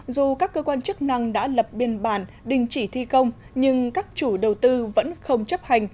dù các cơ quan chức năng đã lập biên bản đình chỉ thi công nhưng các chủ đầu tư vẫn không chấp hành